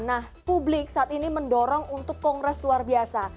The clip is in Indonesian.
nah publik saat ini mendorong untuk kongres luar biasa